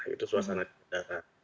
itu suasana di bandara